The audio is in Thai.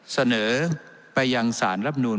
เสนอไปยังสารรับนูล